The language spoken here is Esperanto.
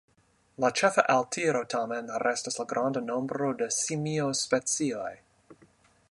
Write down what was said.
La ĉefa altiro tamen restas la granda nombro da simiospecioj.